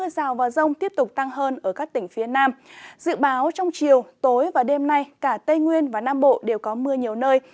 trong đêm mối và đêm nay cả tây nguyên và nam bộ đều có mưa nhiều nơi